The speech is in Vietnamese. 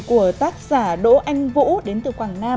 của tác giả đỗ anh vũ